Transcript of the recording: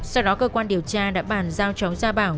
sau đó cơ quan điều tra đã bàn giao cho cháu gia bảo